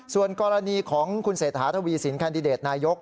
ส่วนกรณีของคุณเศรษฐาทวีสินแคนดิเดตนายก